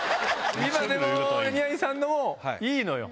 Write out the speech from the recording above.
でも宮治さんのもいいのよ。